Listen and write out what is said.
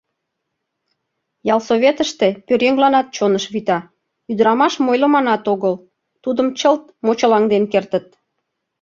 Ялсоветыште пӧръеҥланат чоныш вита, ӱдырамашым ойлыманат огыл, тудым чылт мочылаҥден кертыт.